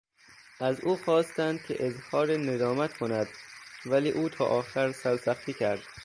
از او خواستند که اظهار ندامت کند ولی او تا آخر سرسختی کرد.